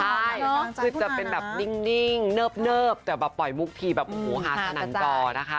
ใช่คือจะเป็นแบบนิ่งเนิบแต่แบบปล่อยมุกทีแบบโอ้โหหาสนันจอนะคะ